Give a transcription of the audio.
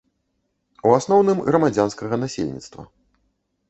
У асноўным грамадзянскага насельніцтва.